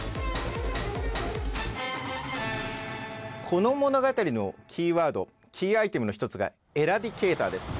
この物語のキーワードキーアイテムの一つがエラディケイターです。